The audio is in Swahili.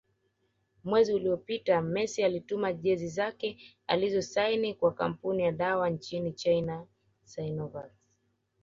Mwezi uliopita Messi alituma jezi yake alioisaini kwa kampuni ya dawa nchini China Sinovac